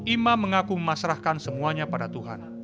imam mengaku memasrahkan semuanya pada tuhan